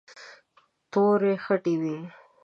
تورې خټې وې.